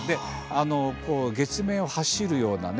月面を走るようなね探査車。